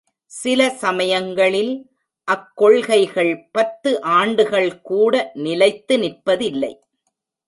சில சமயங்களில் அக் கொள்கைகள் பத்து ஆண்டுகள் கூட நிலைத்து நிற்பதில்லை.